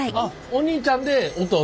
お兄ちゃんで弟？